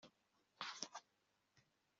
Nzakumenyesha igihe byemejwe